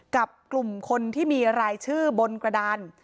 กับกลุ่มคนที่มีรายชื่อบนกระดาน